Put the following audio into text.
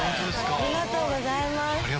ありがとうございます。